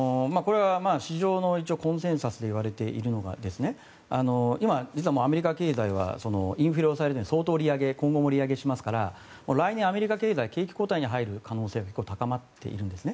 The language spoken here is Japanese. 市場のコンセンサスといわれているのは今、実はアメリカ経済はインフレを抑えるのに相当利上げ今後も利上げしますから来年、アメリカ経済、景気後退に入る可能性が結構高まっているんです。